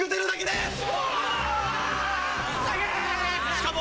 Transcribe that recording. しかも。